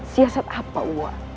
siasat apa uwah